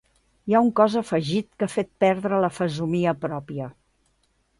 Hi ha un cos afegit que ha fet perdre la fesomia pròpia.